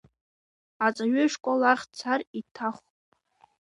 Аҵаҩы ашкол ахь дцар иҭахәп.